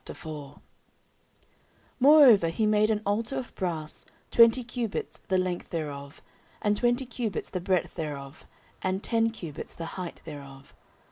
14:004:001 Moreover he made an altar of brass, twenty cubits the length thereof, and twenty cubits the breadth thereof, and ten cubits the height thereof.